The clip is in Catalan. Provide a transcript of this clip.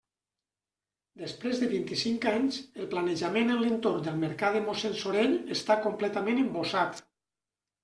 Després de vint-i-cinc anys, el planejament en l'entorn del Mercat de Mossén Sorell està completament embossat.